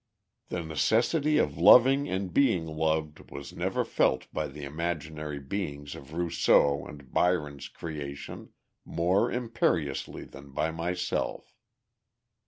"The necessity of loving and being loved was never felt by the imaginary beings of Rousseau and Byron's creation, more imperiously than by myself.